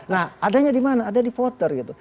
nah adanya di mana ada di voter gitu